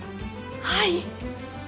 はい。